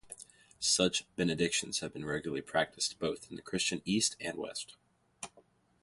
Such benedictions have been regularly practiced both in the Christian East and West.